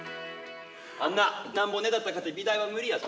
あんな、なんぼねだったかて美大は無理やぞ？